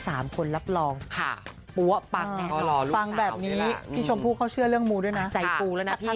แต่หลังจากที่ผ่านการจ่ายค่าเทิมคนโตไป